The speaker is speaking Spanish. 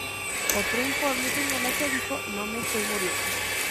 Otro informe señala que dijo ""No me estoy muriendo!